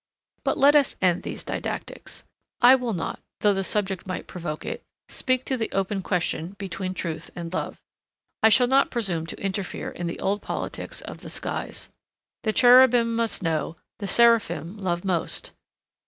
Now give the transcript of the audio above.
But let us end these didactics. I will not, though the subject might provoke it, speak to the open question between Truth and Love. I shall not presume to interfere in the old politics of the skies;—"The cherubim know most; the seraphim love most."